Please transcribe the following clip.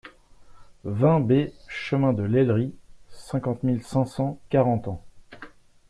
vingt B chemin de l'Aillerie, cinquante mille cinq cents Carentan